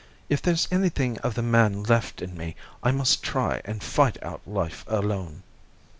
If there's anything of the man left in me, I must try and fight out life alone."